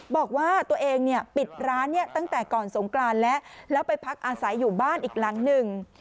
บอกว่าตัวเองเนี่ยปิดร้านตั้งแต่ก่อนสงกรานแล้วแล้วไปพักอาศัยอยู่บ้านอีกหลังหนึ่ง